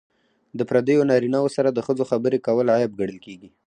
د پردیو نارینه وو سره د ښځو خبرې کول عیب ګڼل کیږي.